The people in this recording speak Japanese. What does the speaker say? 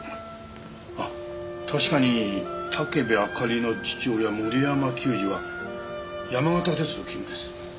あっ確かに武部あかりの父親森山久司は山形鉄道勤務です。